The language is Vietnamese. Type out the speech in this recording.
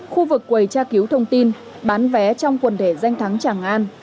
khu vực quầy tra cứu thông tin bán vé trong quần thể danh thắng tràng an